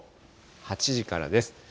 ８時からです。